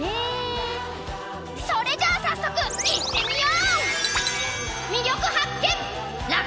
それじゃあ早速いってみよ！